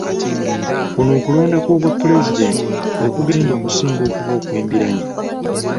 Kuno okulonda kw'obwapulezidenti kwe kugenda okusinga okuba okw'embiranye.